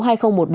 thế nhưng mà